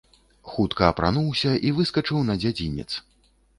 Хутка апрануўся і выскачыў на дзядзінец.